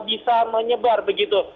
bisa menyebar begitu